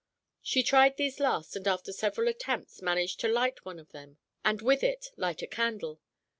She tried these last and after several attempts managed to light one of them and with it light a candle.